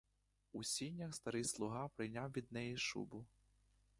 У сінях старий слуга прийняв від неї шубу.